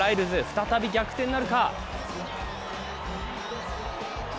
再び逆転なるか。